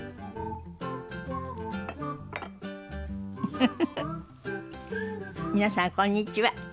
フフフフ皆さんこんにちは。